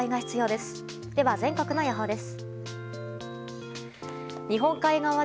では全国の予報です。